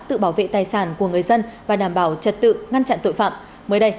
tự bảo vệ tài sản của người dân và đảm bảo trật tự ngăn chặn tội phạm mới đây